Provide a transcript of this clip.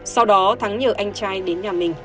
sau đó thắng nhờ anh trai đến nhà mình